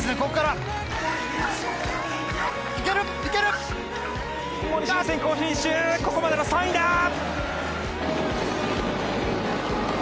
ここまでの３位だ！